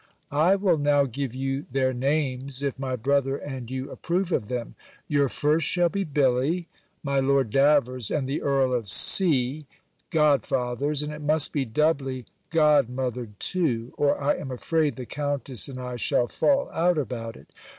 I will now give you their names, if my brother and you approve of them: your first shall be BILLY; my Lord Davers, and the Earl of C , godfathers; and it must be doubly godmothered too, or I am afraid the countess and I shall fall out about it.